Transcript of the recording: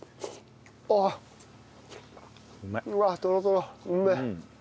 うわっトロトロうめえ！